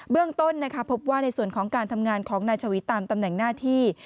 เรื่องต้นพบว่าในส่วนของการทำงานของนายชวีตามตำแหน่งหน้าที่